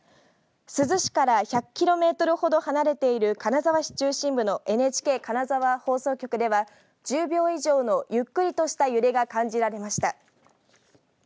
珠洲市から１００キロメートルほど離れている金沢市中心部のＮＨＫ金沢放送局では１０秒以上のゆっくりとした揺れが感じられました。